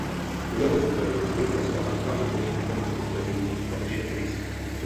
Úlohou softwaru je spolupracovat a vytvářet komunity pomocí počítačů a počítačových sítí.